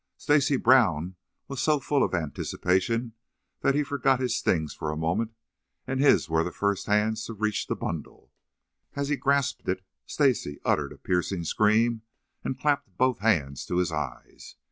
Stacy Brown was so full of anticipation that he forgot his stings for the moment, and his were the first hands to reach the bundle. As he grasped it, Stacy uttered a piercing scream and clapped both hands to his eyes.